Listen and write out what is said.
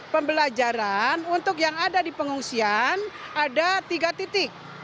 pembelajaran untuk yang ada di pengungsian ada tiga titik